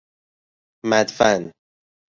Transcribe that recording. مدفن